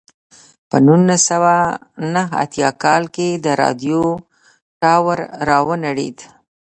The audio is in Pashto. په نولس سوه نهه اتیا کال کې د راډیو ټاور را ونړېد.